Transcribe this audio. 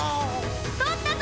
取ったぞ！